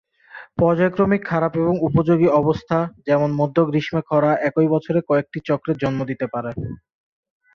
পর্যায়ক্রমিক খারাপ এবং উপযোগী অবস্থা, যেমন মধ্য গ্রীষ্মে খরা, একই বছরে কয়েকটি চক্রের জন্ম দিতে পারে।